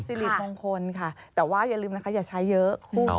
สิริมงคลค่ะแต่ว่าอย่าลืมนะคะอย่าใช้เยอะ